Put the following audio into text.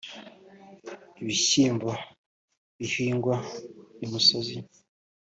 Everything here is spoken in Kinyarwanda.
n’ibishyimbo bihingwa i musozi